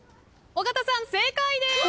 尾形さん正解です！